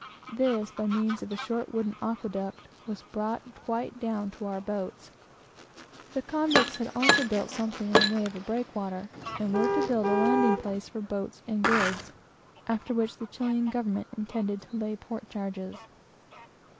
This, by means of a short wooden aqueduct, was brought quite down to our boats. The convicts had also built something in the way of a breakwater, and were to build a landing place for boats and goods, after which the Chilian government intended to lay port charges.